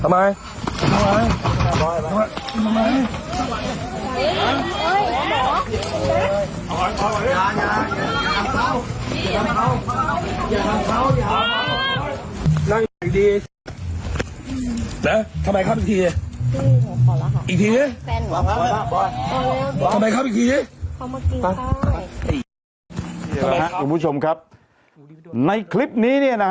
ครับอีกทีเขามากินค่ะครับคุณผู้ชมครับในคลิปนี้เนี่ยนะฮะ